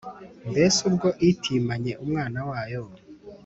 Mbese ubwo itimanye Umwana wayo,